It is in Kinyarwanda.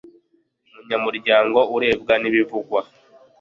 umunyamuryango urebwa n'ibivugwa